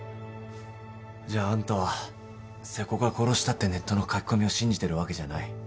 じゃああんたは「瀬古が殺した」ってネットの書き込みを信じてるわけじゃない。